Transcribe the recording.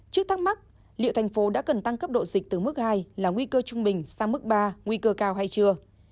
trước thắc mắc liệu thành phố đã cần tăng cấp độ dịch từ mức hai là nguy cơ trung bình sang mức ba nguy cơ cao hay chưa